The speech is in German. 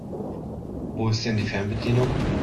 Wo ist denn die Fernbedienung?